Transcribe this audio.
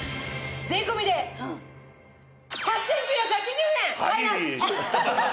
税込で８９８０円！買います！